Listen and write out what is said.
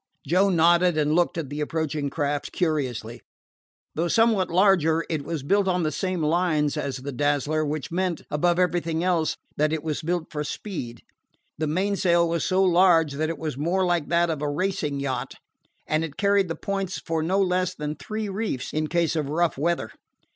Joe nodded, and looked at the approaching craft curiously. Though somewhat larger, it was built on about the same lines as the Dazzler which meant, above everything else, that it was built for speed. The mainsail was so large that it was more like that of a racing yacht, and it carried the points for no less than three reefs in case of rough weather.